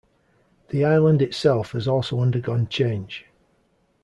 The Island itself has also undergone change.